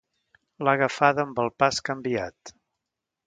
L'ha agafada amb el pas canviat.